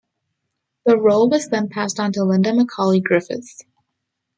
The role was then passed onto Linda McCauley-Griffiths.